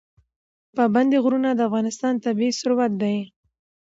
پابندی غرونه د افغانستان طبعي ثروت دی.